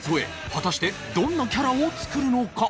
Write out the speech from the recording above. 果たしてどんなキャラを作るのか？